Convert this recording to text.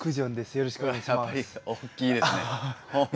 よろしくお願いします。